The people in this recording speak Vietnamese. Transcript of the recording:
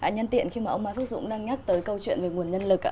nhân tiện khi mà ông má phước dũng đang nhắc tới câu chuyện về nguồn nhân lực